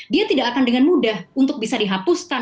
dia tidak akan dengan mudah untuk bisa dihapuskan